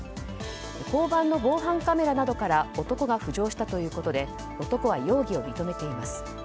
交番の防犯カメラなどから男が浮上したということで男は容疑を認めています。